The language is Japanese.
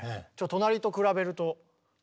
隣と比べるとね。